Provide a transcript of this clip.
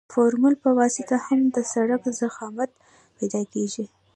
د فورمول په واسطه هم د سرک ضخامت پیدا کیږي